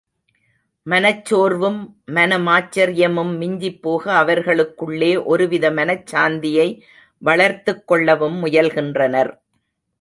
மனச்சோர்வும் மன மாச்சரியமும் மிஞ்சிப்போக, அவர்களுக்குள்ளே ஒருவித மனச்சாந்தியை வளர்த்துக் கொள்ளவும் முயல்கின்றனர்.